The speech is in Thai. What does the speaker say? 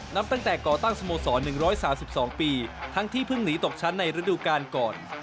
นับตั้งแต่ก่อตั้งสโมสร๑๓๒ปีทั้งที่เพิ่งหนีตกชั้นในฤดูกาลก่อน